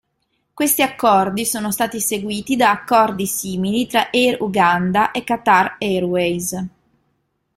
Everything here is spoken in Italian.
Questi accordi sono stati seguiti da accordi simili tra Air Uganda e Qatar Airways.